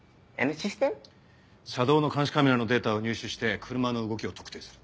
車道の監視カメラのデータを入手して車の動きを特定する。